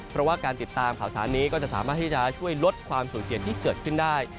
เพราะว่าการติดตามข่าวสารนี้ก็จะสามารถที่จะช่วยลดความสูญเสียที่เกิดขึ้นได้